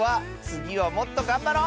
つぎはもっとがんばる！